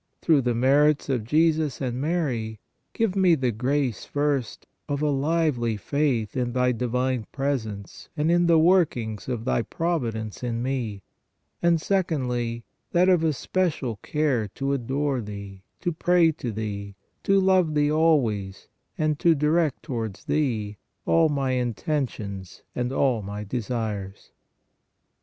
Through the merits of Jesus and Mary, give me the grace, first, of a lively faith in Thy divine presence and in the workings of Thy Providence in me, and secondly, that of a special care to adore Thee, to pray to Thee, to love Thee always, and to direct towards Thee all my intentions and all my desires.